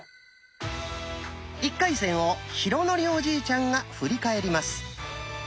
１回戦を浩徳おじいちゃんがふりかえります。